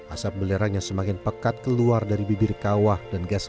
asap belerang yang semakin pekat keluar dari bibir kawah dan gas